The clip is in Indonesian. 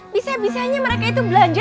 bisa bisanya mereka itu belanja